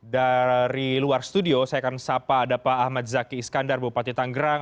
dari luar studio saya akan sapa ada pak ahmad zaki iskandar bupati tanggerang